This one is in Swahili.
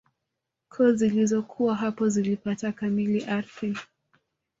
Koo zilizokuwa hapo zilipata kumiliki ardhi